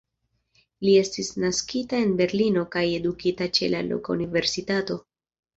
Li estis naskita en Berlino kaj edukita ĉe la loka universitato.